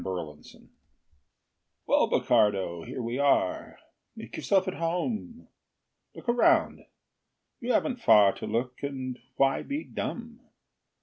Bokardo Well, Bokardo, here we are; Make yourself at home. Look around you haven't far To look and why be dumb?